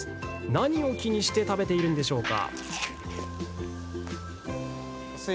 何を気にして食べているのでしょうか？